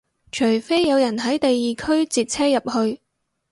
除非有人喺第二區截車入去